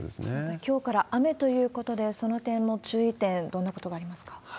きょうから雨ということで、その点も、注意点、どんなことがありますか？